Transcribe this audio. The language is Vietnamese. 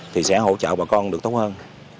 thì sẽ hỗ trợ bà con được tốt hơn